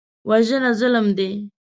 وژنه ظلم دی